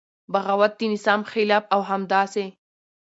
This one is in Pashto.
بغاوت د نظام خلاف او همداسې